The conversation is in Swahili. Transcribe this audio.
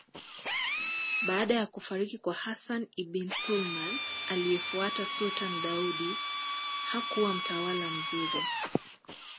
Baada ya kufariki kwa Hassan Ibin Suleman aliyefuata Sultan Daudi hakuwa mtawala mzuri